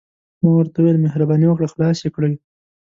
ما ورته وویل: مهرباني وکړه، خلاص يې کړئ.